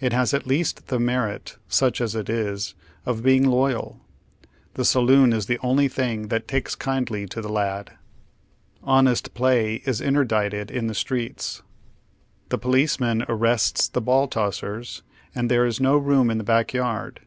It has at least the merit, such as it is, of being loyal. The saloon is the only thing that takes kindly to the lad. Honest play is inter dicted in the streets. The policeman arrests the ball tossers, and there is no room in the back yard.